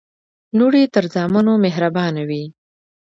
لوڼي تر زامنو مهربانه وي.